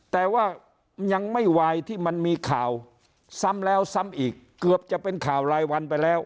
แต่ว่ายังไม่วายที่มันมีข่าวซ้ำแล้วซ้ำอีกเกือบจะเป็นข่าวรายวันไปแล้ว